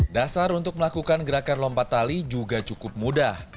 dasar untuk melakukan gerakan lompat tali juga cukup mudah